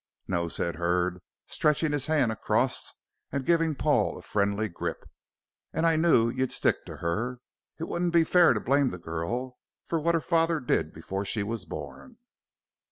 "No," said Hurd, stretching his hand across and giving Paul a friendly grip, "and I knew you'd stick to her. It wouldn't be fair to blame the girl for what her father did before she was born."